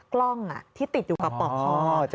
กล้องที่ติดอยู่กับปอกคอ